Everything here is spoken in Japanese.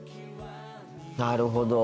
なるほど。